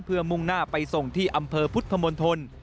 เพื่อมุ่งหน้าไปส่งที่อำเภอพุทธมนตร